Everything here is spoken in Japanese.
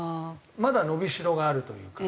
まだ伸び代があるというか。